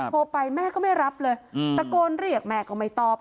โทรไปแม่ก็ไม่รับเลยตะโกนเรียกแม่ก็ไม่ตอบ